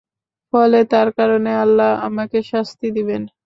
ফলে তার কারণে আল্লাহ আমাকে শাস্তি দিবেন।